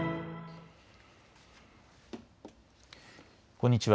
こんにちは。